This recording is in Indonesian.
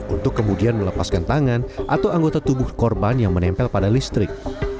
untuk kemudian melepaskan tangan atau anggota tubuh korban yang menempel pada listrik